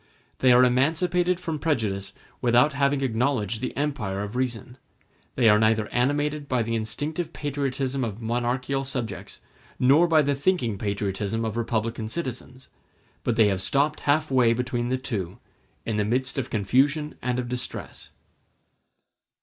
They are emancipated from prejudice without having acknowledged the empire of reason; they are neither animated by the instinctive patriotism of monarchical subjects nor by the thinking patriotism of republican citizens; but they have stopped halfway between the two, in the midst of confusion and of distress.